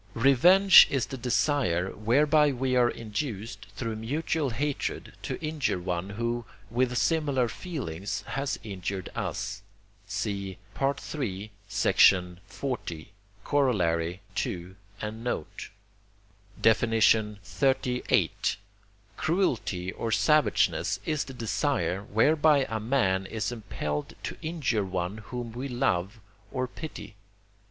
Revenge is the desire whereby we are induced, through mutual hatred, to injure one who, with similar feelings, has injured us. (See III. xl. Coroll. ii and note.) XXXVIII. Cruelty or savageness is the desire, whereby a man is impelled to injure one whom we love or pity.